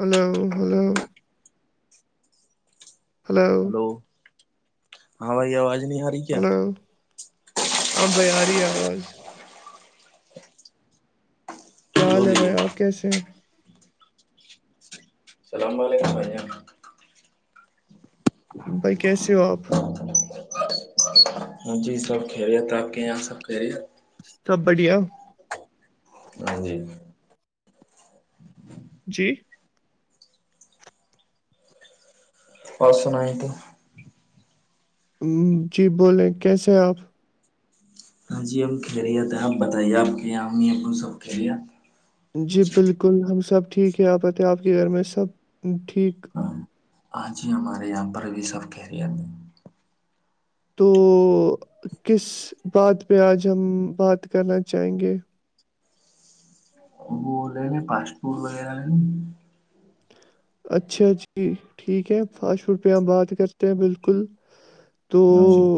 hello hello hello ہاں بھائی آواز نہیں آ رہی کیا ہلو ہاں آرہی ہیے آواز کیا حال ہے بولیے بھائی آپ کیسے ہیں السلام علیکم ررحم بقس آپ ہاں جی سب کہ رہے ہے تراقے سب کے رہے سب بڑھیا جی جی بس نہیںائ تو جی بولیں کیسے ہیں آپ ہاں جی ہم کھیلے تھے آپ بتائیے آپ کے یہ ہم نے اپ کو سب کھیلیا جی بالکل ہم سب ٹھیک ہے آپت آپ کے گھر میں سب ٹھیک ہاں آ ج ہی ہمارے یہاں پر بھی سب کہہ رہی ہم تو کس بات پہ آج ہم بات کرنا چاہیں گے وہ رہے پاسٹ فورٹ وغیرہ اچھا جی ٹھیک ہے فاسٹ فوڈ پہ ہم بات کرتے ہیں بالکل تو ہاں جی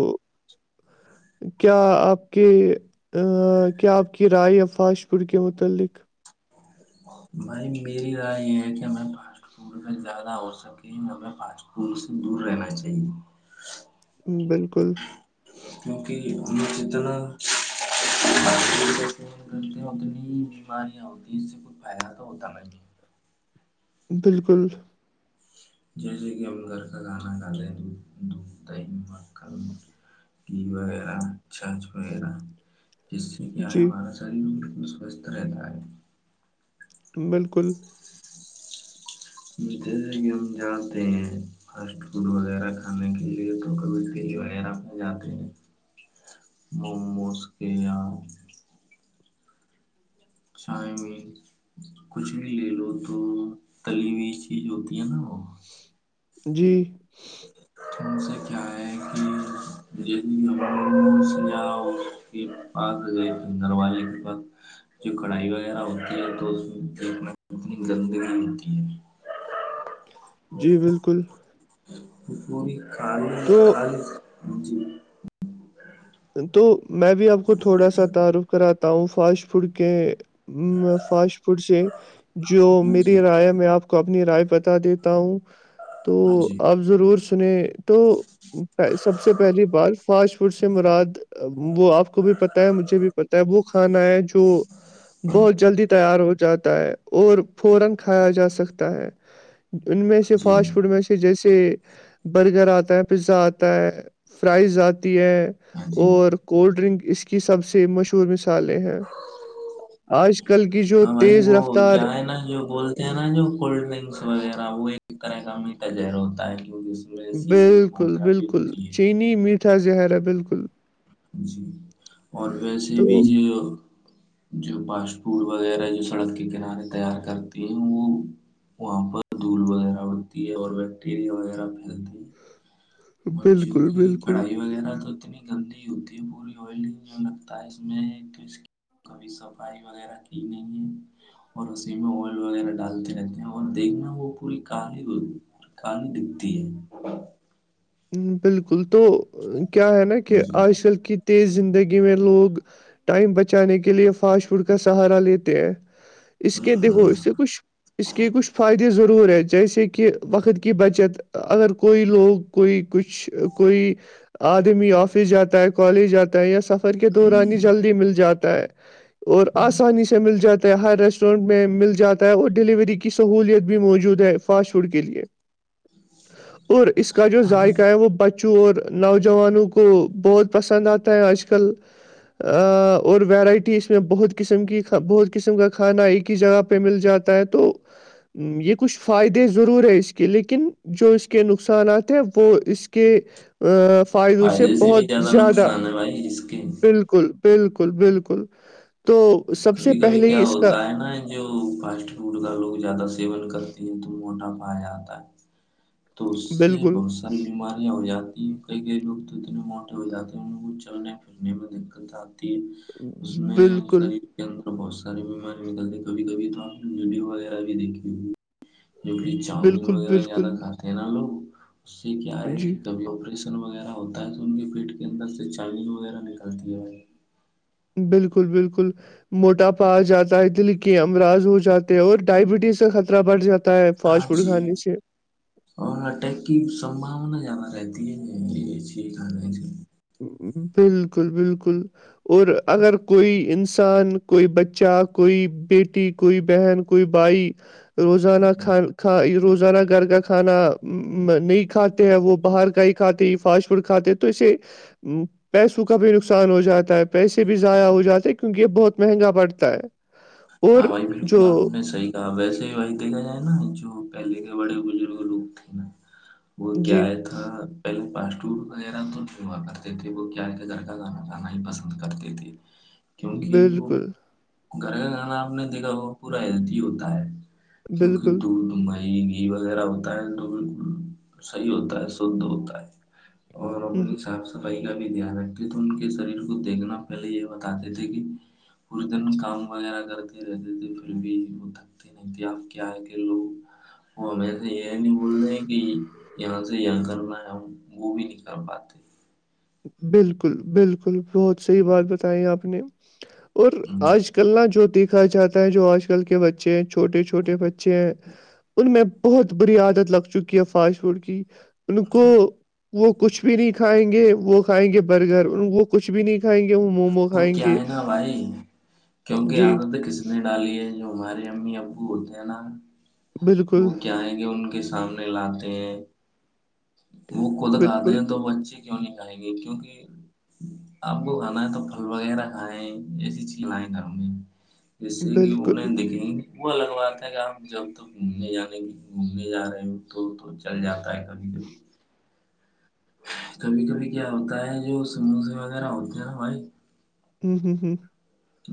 کیا آپ کے کیا آپ کی رائے ہے فاسٹ فوڈ کے متعلق بھائی میری رائے یہ ہے کہ ہمیں پ کا زیادہ ہو سکے ہمیں پانچ فول سے دور رہنا چاہیے بالکل بک م جدنا اتنی بیماریاں ہوتی ہیں اس سے کچئی فائدہ تو ہوتا نہیں بالکل جیسے کہ ہم ل گڑ کا گانا گانیں دودھ ت ک وغیرہ چارچ وغیرہ جس سے کیا ہے جی ہمارا شریر بالکل سوستھ رہتا ہے بالکل جیسے کہ ہم جانے ہیں فاسٹ فوڈ وغیرہ کھانے کے لیے تو کبھی کے وغیر میں جات ہیں موموز کے اں چائے میں کچھ بھی لے لو تو تلی ہوئی چیز ہوتی ہے نا وہ جی ان سے کیا ہے کہ جا کے پاس گئے دروازے کے پاس جو کڑھائی وغیرہ ہوتی ہے تونی گندگی ہوتی ہے جی بالکل پور کال تو کالے تو میں بھی آپ کو تھوڑا سا تعارف کراتا ہوں فاسٹ فوڈ کے فاسٹ فوڈ سے جو ہاں میری جی رائے ہے میں آپ کو اپنی رائے بتا دیتا ہوں تو ہاں جی اب ضرور سنے تو سب سے پہلی بات فاش مراد وہ آپ کو بھی پت ہے مجھے بھی پتا ہے وہ کھانا ہے جو بہت جلدی تیار ہو جاتا ہے اور فورا کھایا جا سکتا ہے ان میں ہاں سے جی فاسٹ فوڈ میں سے جیسے برگر آتا ہے پیزا آتا ہے فرائز آتی ہے ہاں جی اور کولڈ ڈرنک اس کی سب سے مشہور مثالیں ہیں آج کل کی جو ہاں بھائی تیز وہ رفتار کیا نا جو بول نا جو کولڈ ڈرنکس وغیرہ وہ ایک طرح کا میٹا جہر ہوتا ہے کیونکہ میں شیشے کی بالکل ماترا بھی بالکل ہوتی ہے چینی میٹھا زہرا بالکل جی اور ویسے بھی تو جو جو پاسٹ فوڈ وغیرہ جو سڑک کے کنارے تیار کرتی ہیں وہ وہاں پر دھول وغیرہ بڑتی ہے اور بیکٹیریا وغیرہ پھیلتی ہے [inaudible] مچیوں بالکل کی بالکل کڑھائی وغیرہ تو اتنی گندی ہوتی ہے پوری آئلنگ جو لگتا ہے اس میں ایک تو اس کبھی صفائی وغیرہ کی نہیں ہے اور اسی میں ول وغیرہ ڈالتے رہتے ہیں اور دیکھنا وہ پوری کال ہوتی کانی دکھتی ہے بالکل تو کیا ہے نا کہ آج کل کی تیز زندگی میں لوگ ٹائم بچانے کے لیے فاسٹ فوڈ کا سہارا لیتے ہیں اس کے دو اس سے کچھ اس کے کچھ فائدے ضرور ہیں جیسے کہ وقت کی بچت اگر کوئی لوگ کوئی کچھ کوئی آدمی آفس جاتا ہے کالج جاتا ہے یا سف کے دورانی ہی جلدی مل جاتا ہے اور آسانی سے مل جاتی ہر ریسٹورینٹ میں مل جاتا ہے اور ڈیلیوری کی سہولیت بھی موجود ہے فاسٹ فوڈ کے لیے اور اس کو اس کا جو ہاں ذائقہ ہے وہ بچوں اور نوجوانوں کو بہت پسند آتا ہے آج کل اور ویرائٹی اس میں بہت قسم کی بہت قسم کا کھانا ایک ہی جگہ پہ مل جاتا ہے تو یہ کچھ فائدے ضرور ہے اس کے لیکن جو اس کے نقصانات وہ اس کے فائدوں سے فائدے بہت بھی زیادہ نقصان ہے بھائی اس کے بالکل بالکل بالکل تو سب سے کبھی کبھی پہلے ہی کیا اس کا ہوتا ہے نا جو فاسٹ فوڈ کا لوگ زیادہ سیون کرتی ہے تو موٹا پا آتا ہے تو اس سے بالکل بس ساری بیماریاں ہو جاتی ہیں کئی کئی لوگ تو اتنے موٹے ہو جاتے ہیں ان کو چلنے میں دقت آتی ہے اس بالکل میںری یہ اندر بہت ساریے بیماری نکلے کبھی کبھی تو ہم نے ویڈیو والے بھی دیکھے ہو جوک چاؤمین بالکل وغیرہ زیادہ بالکل کھاتے ہیں نا لوگ اس سے کیا ہے کہ جی کبھی آپریشن وغیرہ ہوتا ہے تو ان کے پیٹ کے اندر سے چین وغیرہ نکلتی ہے بالکل بالکل موٹاپا آ جاتا ہے دل کے امراض ہو جاتے ہیں اور ڈائبٹیز سے خطرہ بڑھ جاتا ہے ہے فاسٹ ہاں فوڈ جی کھانے سے اور اٹیک کی سمبانا زیادہ رہتی ہے بالکل بالکل اور اگر کوئی انسان کوئی بچہ کوئی بیٹی کوئی بہن کوئی بھائی روزانہ کان کھا روزانہ گھر کا کھانا نہیں کھاتے ہیں وہ باہر کا ہی کھاتے ہیں یہ فاشٹ چڑ کھے تو سے پیسوں کا بھی نقصان ہو جاتا ہے پیسے بھی ضائع ہو جاتے کیونکہ یہ بہت مہنگا پڑتا ہے ہاں ہاں بھائی بالکل آپ نے صحی ویسے ہی وہی دیکھا جائے نا جو پہلے کے بڑے بزرگ لوگ تھے نا وہ کیا جی ہے تھا پہلے پاسٹور وغیرہ تو نہیں ہوا کرتے تھے وہ گار کے گھر کا گانا کانا ہی پسند کرتے تھے [inaudible] کیونکہ وہ بالکل گھر کا کھانا آپ نے دیکھا وہ پورا ہیلی ہوتا ہے ک بالکل یہ وغیرہ ہوتا ہے تو بالکل صحیح ہوتا ہے سھ ہوتا ہے اور ہوں، اپنے حساب سے صفائی کا بھی دھیان رکھتے تھے ان کے شریر کو دیکھنا پہلے یہ بتاتے تھے کہ پدن کام وغیرہ کرتے رہتے تھے پھر بھی وہ تھکتے نہیں تھے آپ کیا ہے کہ لوگ اور ہم ایسے یہ نہیں بول رہ کہ یہاں سے یہ کرنا ہے وہ بھی نہیں کر پاتے بالکل بالکل بہت صحیح بات بتائی آپ نے اور جی، آج کلا جو دیکھا جاتا ہے جو آج کل کے بچے ہیں چھوٹے چھوٹے بچے ہیں ان میں بہت بری عادت لگ چکی ہے فاسٹ فوڈ کی ان کو وہ کچھ بھی نہیں کھائیں گے وہ کھائیں گے برگر وہ کچھ بھی نہیں کھائیں گے وہ مومو وہ کھائیں کیا گے ہے نا بھائی کیونکہ جی عادت کس نے ڈالی جو ہمارے امی ابو ہوتے ہیں نا بالکل وہ کیائ گے ان کے کے سامنے لاتے ہیں وہ خود کاتے بالکل ہیں تو بچے کیوں نہیں کیں گے کیونکہ آپ کو کھانا ہے تو پھل وغیرہ کھائیں ایسی چیز لائےیں گھر میں جس سے کہ بالکل انہیں دکھیں وہ لگوات ہے کہ جب تک گھومنے جانے کی گھومنے جا رہے ہ تو تو چل جاتا ہے کبھی کبھی کبھی کبھی کیا ہوتا ہے جو سموسے وغیرہ ہوتے ہیں نا بھائی ا ہ ہ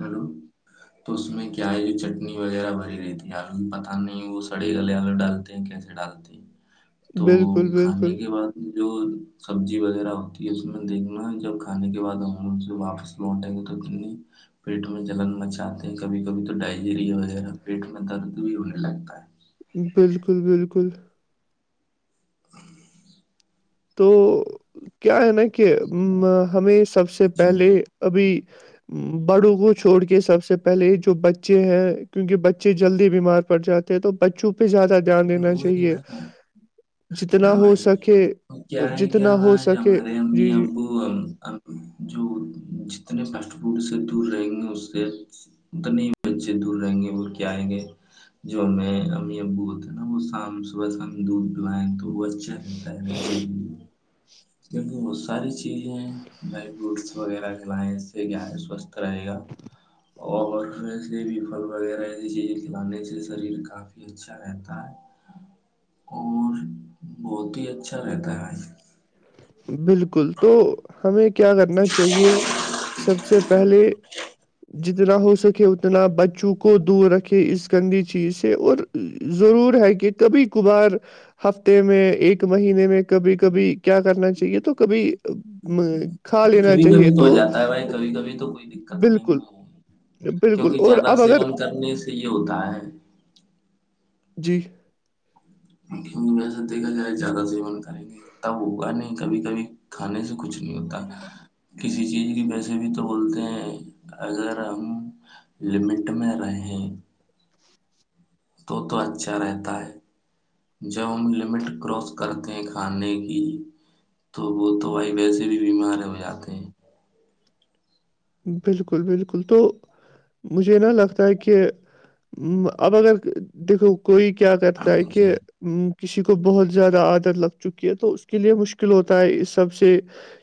اور تو اس میں کیا ہے جو چٹنی وغیرہ بری رہی تھی آلو پتہ نہیں وہ سڑے گلے آلو ڈال کیسے ڈالتے ہیں جی تو کھانے کے بعد جو سبزی وغیرہ ہوتی ہے اس میں دیکھنا جب کھانے کے بعد آؤں سے واپس مٹم ر د پیٹ میں جلن مچاتے ہیں کبھی کبھی تو ڈائلیریا ویرہ پیٹ میں درد بھی ہونے لگتا ہے بالکل بالکل تو کیا ہے نا کہ ہمیں سب سے ہے جی پہلے ابھی بڑوں کو چھوڑ کے سب سے پہلے جو بچے ہیں کیونکہ بچے جلدی بیمار پڑ جاتے ہیں تو بچوں پہ زیادہ دھیان دینا وہی چاہیے نا جتنا ہاں ہو بھائی سکے کیا ہے کیا جتنا ہو آج سکے ہمارے امی جی جی ابو تو جو جتنے فاسٹ فوڈ سے دور رہیں گے اس سے تو نہیں بچے دور رہیں گے وہ کیا آئیں گے جو ہمیں ا ابو ہیں نا شام صبح شام دودھ پلائیں تو وہ اچھا رہتا ہے اچھے کے لیے [inaudible] کیونکہ بہت ساری چیزیں ہیں ڈرائی فروٹس وغیرہ کھلانے سے گ ہے سوستھ رہے گا اور سے بھی پل وغیرہ ایسی چیزیں کھلانے سے شریر کافی اچھا ہے اور بہت ہی اچھا رہتا ہے بالکل تو ہمیں کیا کرنا چاہیے سب سے پہلے جتنا ہو سکے اتنا بچوں کو دور رکھے اس گندی چیز سے اور ضرور ہے کہ کبھی کبھار ہفتے میں ایک مہینے میں کبھی کبھی کیا کرنا چاہے تو کبھی کھا لینا کبھی چاہیے کبھی ہو تو جاتا ہے بھائی کبھی کبھی تو کوئی دقت نہیں بالکل ہے بالکل کیونکہ اور زیادہ اب اگر سیون کرنے سے یہ ہوتا ہے جی کیونکہ ویسا دیکا جائے جیادہ سیون کریں گے تب ہوگا نہیں کبھی کبھی کھانے سے کچھ نہیں ہوتا کسی چیز کی پیسے بھی تو بولتے ہیں اگر ہم لمٹ میں رہیں وہ تو اچھا رہتا ہے جب ہم لمٹ کراس کرتے ہیں کھانے کی تو وہ تو وائی ویسے بھی بیمار ہو جاتے ہیں بالکل بالکل تو مجھے نہ لگتا ہے کہ اب اگر دیکھو کوئی کیا کرتا ہے جی کہ ا کسی کو بہت زیادہ عادت لگ چکی ہے تو اس کے لیے مشکل ہوتا ہے اس سب سے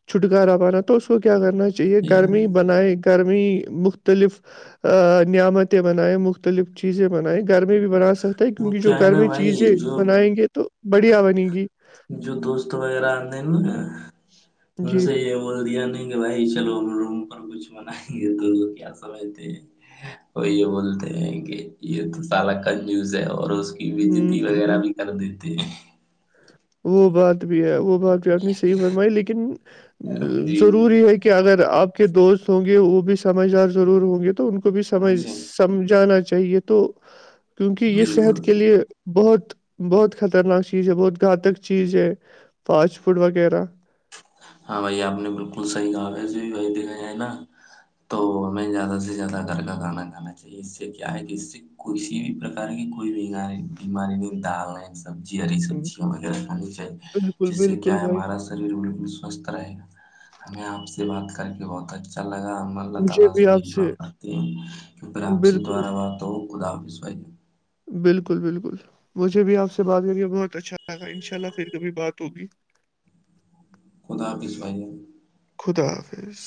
چھٹکارا پانا تو اس کو کیا کرنا چاہیے گرمی بائ گرمی مختلف نعمتیں بنیں مختلف چیزیں بنیں گھر میں بھی بنا سکتا ہے وہ کیونکہ جو کیا ہے گھر نا میں بھائی چیزیں جو بنائیں گے تو بڑھیا بنے گی جو دوست وغیرہ آتے ہیں نا ان جی سے یہ بول دیا نہیں کہ بھائی چلو ہم روم پر کچھ بنائیں گے تو کیا سا رہتے وہ یہ بولتے ہیں کہ یہ تو سالا کنجوس ہے اور اس ہوں بجتی ہوں ہوں وغیرہ بھی کر دیتے ہیں وہ بات بھی ہے وہ بات بھی آپ نے صحیح فرمائی لیکن ہیں جی ضروری ہے کہ کہ اگر آپ کے دوست ہوں گے وہ بھی سمجھدار ضرور ہوں گے تو ان کو بھی سمجھ جی سمجھانا چاہیے تو کیونکہ یہ صحت بالکل کے لیے بہت بہت خطرناک چیز ہے بہت گھاتک چیز ہے فاسٹ فوڈ وغیرہ ہاں بھائی آپ نے بالکل صحیح کہا ویسے بھی بھائی دھا جائے نا تو ہمیں زیادہ سے زیادہ گھر کا گانا گانا چاہیے اس سے کیا ہے کہ اس سے کسی بھی پرک کی کوئی بیاری بیماری میں ڈال سبزی ہری ب- سبزیاں وغیرہ کھانی چاہیے بالکل جس سے بالکل کیا ہے بھائی ہمارا شریر سوستھ رہے گا ہمیں آپ سے بات کر کے بہت اچھا لگا اللہ مجھے تعالی سے بھی آپ یہی داتی ہیں کی پھر آپ سے بالکل دواراا ہو خ آپ بائی بالکل بالکل مجھے بھی آپ سے بات کریے بہت اچھا لگا ان شاء اللہ پھر کبھی بات ہوگی [inaudible] کوودا پسوائیے خدا حافظ